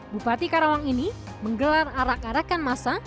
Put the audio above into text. bupati karawang ini menggelar arak arakan masa